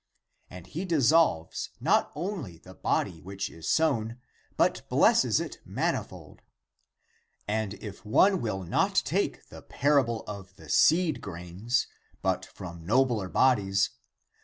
27. And he dissolves not only the body which is sown, but blesses it manifold. 28. And if one will not take the parable of the seed grains [but from nobler bodies] ^^ 29.